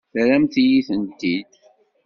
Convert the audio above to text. Terram-iyi-tent-id?